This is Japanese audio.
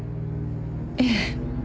ええ。